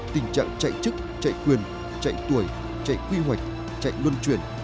tình trạng chạy chức chạy quyền chạy tuổi chạy quy hoạch chạy luân chuyển